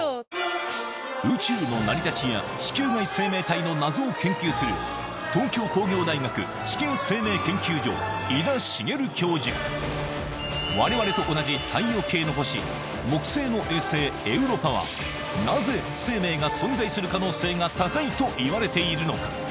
宇宙の成り立ちや地球外生命体の謎を研究する我々と同じ太陽系の星なぜ生命が存在する可能性が高いといわれているのか？